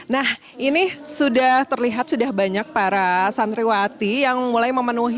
nah ini sudah terlihat sudah banyak para santriwati yang mulai memenuhi